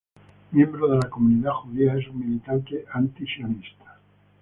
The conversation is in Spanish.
Miembro de la comunidad judía, es un militante antisionista.